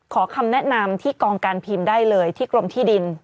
ขอคำแนะนำที่กองการพิมพ์ได้เลยที่กรมที่ดิน